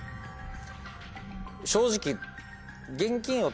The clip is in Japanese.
正直。